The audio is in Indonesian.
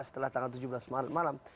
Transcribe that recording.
setelah tanggal tujuh belas malam